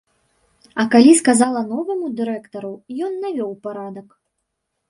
А калі сказала новаму дырэктару, ён навёў парадак.